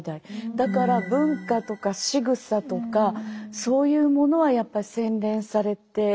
だから文化とかしぐさとかそういうものはやっぱり洗練されて上だった。